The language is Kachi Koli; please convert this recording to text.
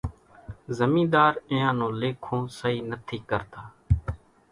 زمينۮار اينيان نون ليکون سئِي نٿِي ڪرتا۔